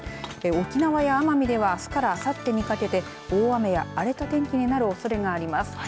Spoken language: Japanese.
沖縄や奄美ではあすから、あさってにかけて大雨や荒れた天気となるおそれがあります。